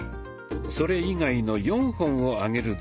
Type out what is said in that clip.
それ以外の４本を上げる動作。